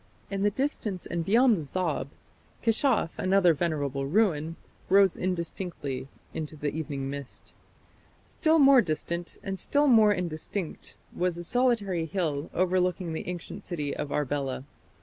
In the distance and beyond the Zab, Keshaf, another venerable ruin, rose indistinctly into the evening mist. Still more distant, and still more indistinct, was a solitary hill overlooking the ancient city of Arbela.